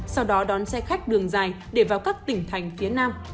sau đó đón xe khách đường dài để vào các tỉnh thành phía nam